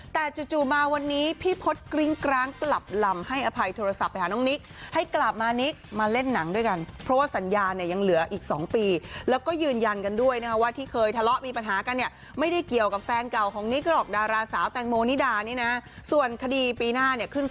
แต่จู่มาวันนี้พี่พจน์กริ้งกร้างกลับลำให้อภัยโทรศัพท์ไปหาน้องนิ๊ก